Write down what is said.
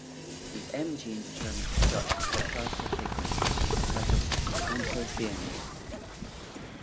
The M gene determined the production of a purple pigment, a type of antocianin.